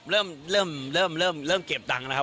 เริ่มเริ่มเริ่มเริ่มเก็บตังค์นะครับ